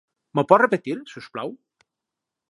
M'ho pot repetir, si us plau?